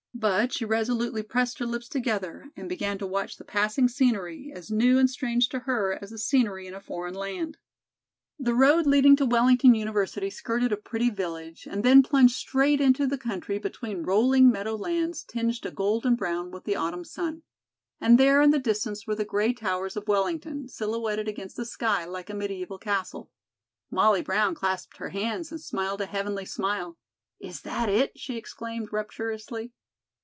But she resolutely pressed her lips together and began to watch the passing scenery, as new and strange to her as the scenery in a foreign land. The road leading to Wellington University skirted a pretty village and then plunged straight into the country between rolling meadow lands tinged a golden brown with the autumn sun. And there in the distance were the gray towers of Wellington, silhouetted against the sky like a mediæval castle. Molly Brown clasped her hands and smiled a heavenly smile. "Is that it?" she exclaimed rapturously.